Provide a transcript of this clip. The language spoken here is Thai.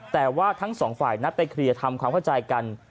แต่ว่าทั้งสองฝ่ายนัดไปเคลียร์ทำความเข้าใจกัน